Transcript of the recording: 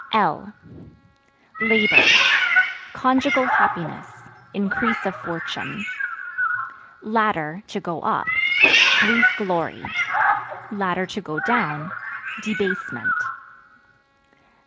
L Labor Conjugal happiness, increase of fortune. Ladder (To go up) brief glory; (to go down) debasement.